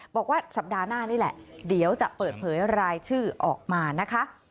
บอกว่าสัปดาห์หน้านี่แหละเดี๋ยวจะเปิดเผยรายชื่อออกมานะคะ